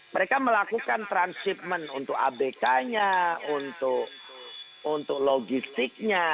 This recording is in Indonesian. mereka melakukan transhipment untuk abk nya untuk logistiknya